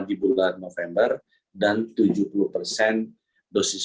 di bulan november dan tujuh puluh persen dosis